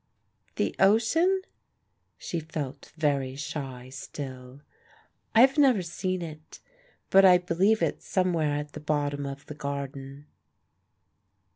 "The Ocean?" She felt very shy still. "I have never seen it, but I believe it's somewhere at the bottom of the garden."